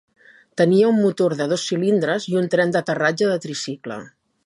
Tenia un motor de dos cilindres i un tren d'aterratge de tricicle.